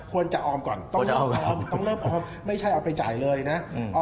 ควรจะออมก่อนต้องจะเอาต้องเริ่มออมไม่ใช่เอาไปจ่ายเลยนะ